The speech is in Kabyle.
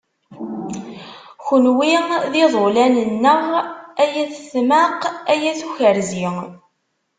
Kunwi d iḍulan-nneɣ, ay at tmaq, ay at ukerzi.